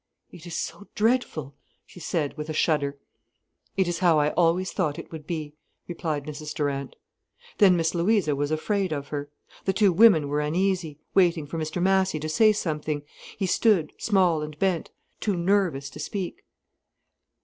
"It is so dreadful," she said, with a shudder. "It is how I always thought it would be," replied Mrs Durant. Then Miss Louisa was afraid of her. The two women were uneasy, waiting for Mr Massy to say something. He stood, small and bent, too nervous to speak.